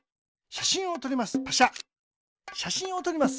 しゃしんをとります。